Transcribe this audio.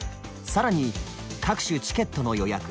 更に各種チケットの予約